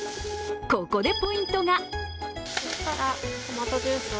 ここでポイントが。